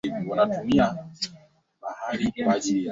Hifadhi ya Jozani si hifadhi ya kuoteshwa bali ya asili